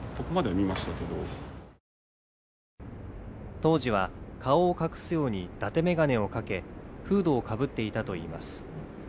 当時は、顔を隠すようにだて眼鏡をかけ、フードをかぶっていたといいます。